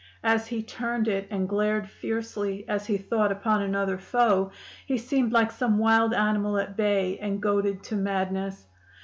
As he turned it, and glared fiercely, as he thought, upon another foe, he seemed like some wild animal at bay and goaded to madness.